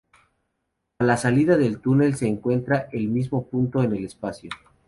A la salida del túnel se encuentran en el mismo punto en el espacio.